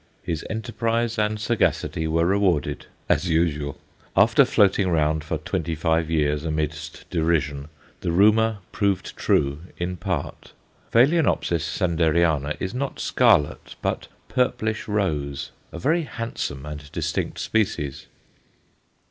His enterprise and sagacity were rewarded, as usual. After floating round for twenty five years amidst derision, the rumour proved true in part. Ph. Sanderiana is not scarlet but purplish rose, a very handsome and distinct species.